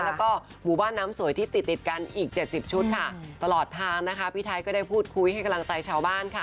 แล้วก็หมู่บ้านน้ำสวยที่ติดติดกันอีกเจ็ดสิบชุดค่ะตลอดทางนะคะพี่ไทยก็ได้พูดคุยให้กำลังใจชาวบ้านค่ะ